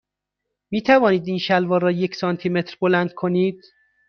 می توانید این شلوار را یک سانتی متر بلند کنید؟